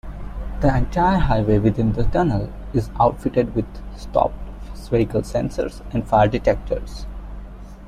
The entire highway within the tunnels is outfitted with stopped-vehicle sensors and fire detectors.